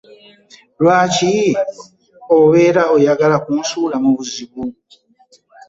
Lwaki obeera oyagala kunsuula mu buzibu?